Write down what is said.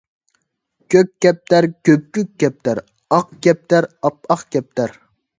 كۆك كەپتەر – كۆپكۆك كەپتەر، ئاق كەپتەر - ئاپئاق كەپتەر